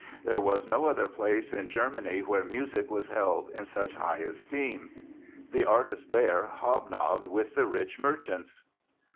There was no other place in Germany where music was held in such high esteem. The artists there hobnobbed with the rich merchants."